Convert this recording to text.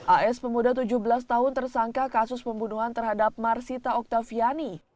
as pemuda tujuh belas tahun tersangka kasus pembunuhan terhadap marsita oktaviani